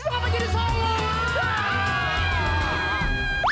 itu apaan jadi salah